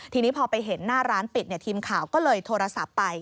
ทีนี้พอไปเห็นหน้าร้านปิดทีมข่าวก็เลยโทรศัพท์ไป